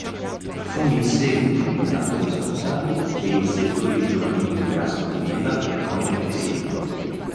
Fu in seguito nominato responsabile dei settori giovanili di Aston Villa e Coventry City.